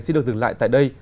xin được dừng lại tại đây